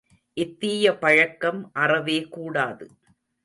இத்தீய பழக்கம் அறவே கூடாது.